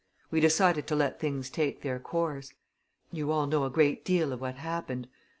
We decided to let things take their course. You all know a great deal of what happened.